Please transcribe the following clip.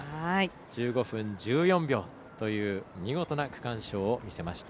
１５分１４秒という見事な区間賞を見せました。